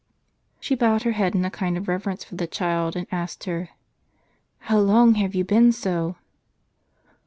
She bowed her head in a kind of reverence for the child, and asked her, " How long have you been so?